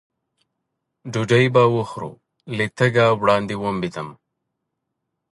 ډوډۍ به وخورو، له تګه وړاندې ومبېدم.